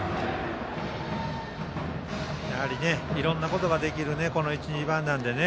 いろんなことができる１、２番なのでね。